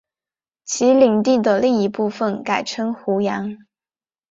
其领地的另一部分改称湖阳。